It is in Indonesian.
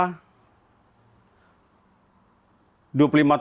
kami nggak tau kenapa